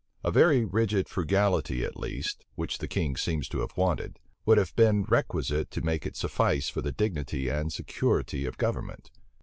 A very rigid frugality at least, which the king seems to have wanted, would have been requisite to make it suffice for the dignity and security of government.